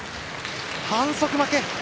反則負け。